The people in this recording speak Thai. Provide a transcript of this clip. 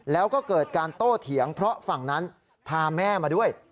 แล้วก็เกิดการโต้เถียงเพราะฝั่งนั้นพาแม่มาด้วย